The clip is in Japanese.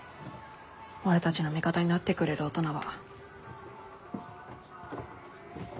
俺たちの味方になってくれる大人は。